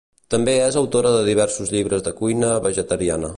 També és autora de diversos llibres de cuina vegetariana.